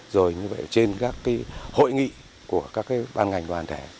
rồi như vậy trên các hội nghị của các ban ngành đoàn thể